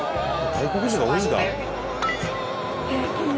外国人が多いんだ。